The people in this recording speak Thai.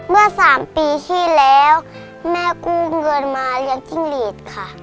เมื่อ๓ปีที่แล้วแม่กู้เงินมาเลี้ยงจิ้งหลีดค่ะ